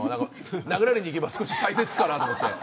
殴られにいけば耐性つくかなと思って。